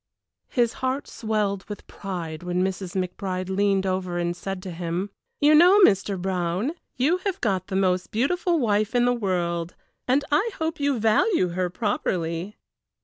His heart swelled with pride when Mrs. McBride leaned over and said to him: "You know, Mr. Brown, you have got the most beautiful wife in the world, and I hope you value her properly."